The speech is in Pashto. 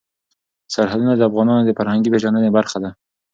سرحدونه د افغانانو د فرهنګي پیژندنې برخه ده.